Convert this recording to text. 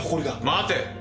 待て。